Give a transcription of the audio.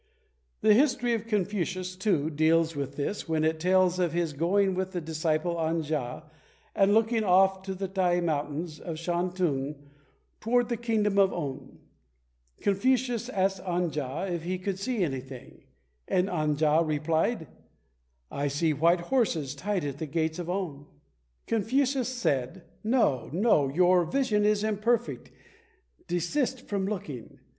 The History of Confucius, too, deals with this when it tells of his going with his disciple An ja and looking off from the Tai Mountains of Shan tung toward the kingdom of On. Confucius asked An ja if he could see anything, and An ja replied, "I see white horses tied at the gates of On." Confucius said, "No, no, your vision is imperfect, desist from looking.